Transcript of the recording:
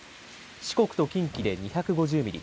四国と近畿で２５０ミリ